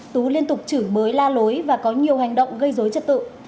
tú liên tục chửi bới la lối và có nhiều hành động gây dối trật tự